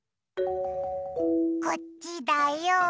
こっちだよ！